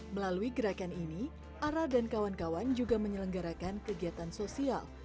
melalui gerakan ini ara dan kawan kawan juga menyelenggarakan kegiatan sosial